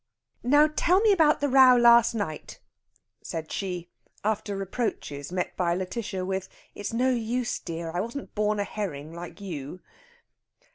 "Now tell me about the row last night," said she, after reproaches met by Lætitia with, "It's no use, dear. I wasn't born a herring like you."